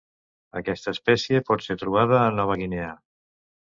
Aquesta espècie pot ser trobada a Nova Guinea.